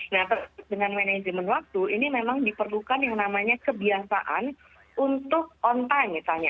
nah dengan manajemen waktu ini memang diperlukan yang namanya kebiasaan untuk on time misalnya